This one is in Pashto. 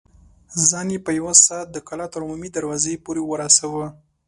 ځان يې په يوه سا د کلا تر عمومي دروازې پورې ورساوه.